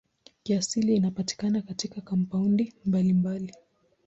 Kiasili inapatikana katika kampaundi mbalimbali.